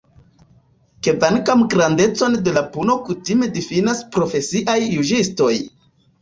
Kvankam grandecon de la puno kutime difinas profesiaj juĝistoj.